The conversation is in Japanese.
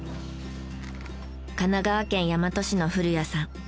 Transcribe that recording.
神奈川県大和市の古屋さん。